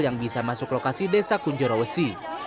yang bisa masuk lokasi desa kunjoro wesi